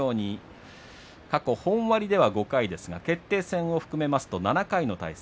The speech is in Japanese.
過去本割では５回ですが決定戦を含めますと７回の対戦。